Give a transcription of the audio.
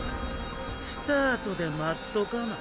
スタートで待っとかな。